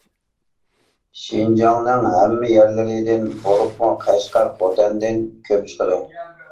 شىنجاڭنىڭ ھەممە يەرلىرىدىن، بولۇپمۇ قەشقەر، خوتەندىن كۆپ چىقىدۇ.